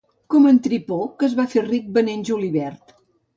Com en Tripó, que es va fer ric venent julivert.